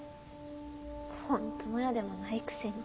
本当の親でもないくせに。